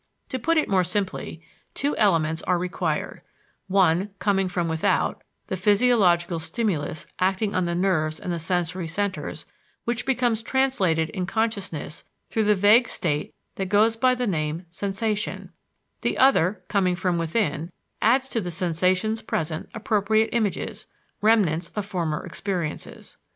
To put it more simply, two elements are required one, coming from without, the physiological stimulus acting on the nerves and the sensory centers, which becomes translated in consciousness through the vague state that goes by the name "sensation"; the other, coming from within, adds to the sensations present appropriate images, remnants of former experiences.